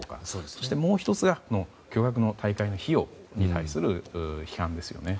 そして、もう１つが巨額の大会の費用に対する批判ですね。